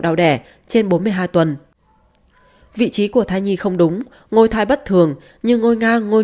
đào đẻ trên bốn mươi hai tuần vị trí của thai nhi không đúng ngôi thai bất thường như ngôi nga ngôi